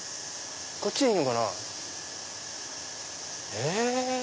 こっちでいいのかな？え？